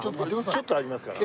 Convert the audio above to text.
ちょっとありますから。